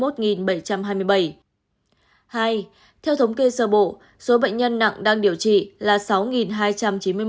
theo thống kê sơ bộ số bệnh nhân nặng đang điều trị là sáu hai trăm chín mươi một ca